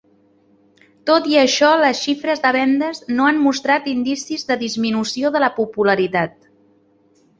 Tot i això, les xifres de vendes no han mostrat indicis de disminució de la popularitat.